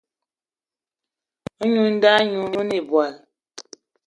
Nwǐ nda ɲî oné̂ ìbwal